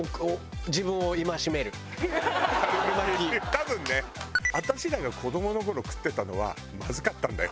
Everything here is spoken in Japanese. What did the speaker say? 多分ね私らが子どもの頃食ってたのはまずかったんだよ。